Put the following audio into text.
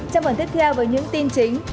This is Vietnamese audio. trong phần tiếp theo với những tin chính